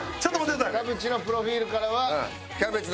田渕のプロフィールからは。